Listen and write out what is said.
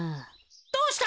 どうした？